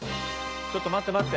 ちょっと待って待って。